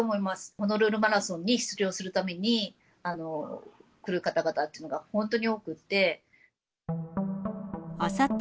ホノルルマラソンに出場するために、来る方々っていうのが、本当に多くて。